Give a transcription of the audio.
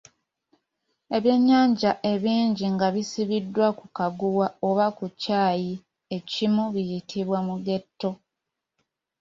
Ebyennyanja ebingi nga bisibiddwa ku kaguwa oba ku kyayi ekimu biyitibwa mugeto.